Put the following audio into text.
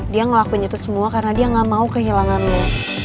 dia ngelakuin itu semua karena dia gak mau kehilangannya